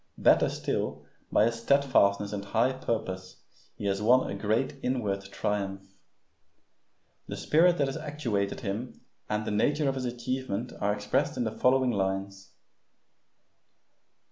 Better still, by his steadfastness and high purpose he has won a great inward triumph. The spirit that has actuated him and the nature of his achievement are expressed in the following lines.